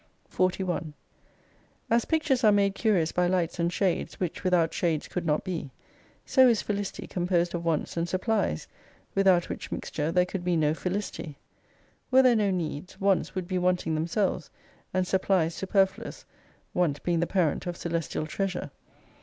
41 As pictures are made curious by lights and shades, which without shades could not be : so is felicity com posed of wants and supplies ; without which mixture there could be no felicity. Were there no needs, wants would be wanting themselves, and supplies superfluous : want being the parent of Celestial Treasure.